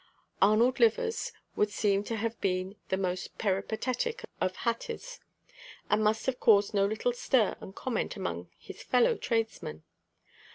ARNOLD LIVERS would seem to have been the most peripatetic of hatters, and must have caused no little stir and comment among his fellow tradesmen.